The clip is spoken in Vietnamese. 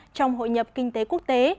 trong hội nhập kinh tế quốc tế